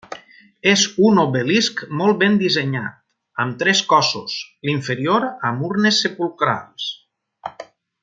És un obelisc molt ben dissenyat, amb tres cossos, l'inferior amb urnes sepulcrals.